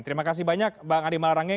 terima kasih banyak bang andi malarangi